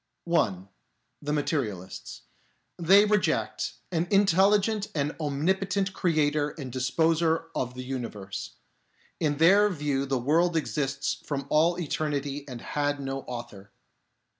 (1) The Materialists. They reject an intelli gent and omnipotent Creator and Disposer of the Universe. In their view the world exists from all eternity and had no author.